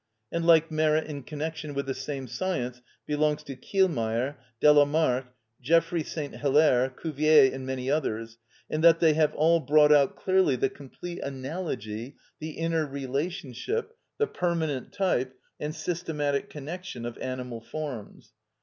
And like merit in connection with the same science belongs to Kielmayer, Delamark, Geoffroy St. Hilaire, Cuvier, and many others, in that they have all brought out clearly the complete analogy, the inner relationship, the permanent type, and systematic connection of animal forms.